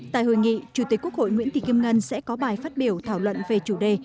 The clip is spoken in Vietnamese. tại hội nghị chủ tịch quốc hội nguyễn thị kim ngân sẽ có bài phát biểu thảo luận về chủ đề